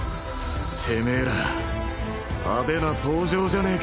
てめえら派手な登場じゃねえか。